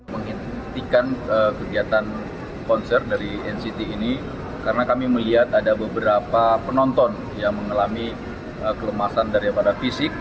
menghentikan kegiatan konser dari nct ini karena kami melihat ada beberapa penonton yang mengalami kelemasan daripada fisik